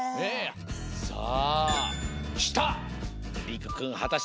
さあきた。